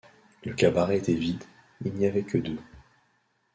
Le cabaret était vide ; il n’y avait qu’eux deux.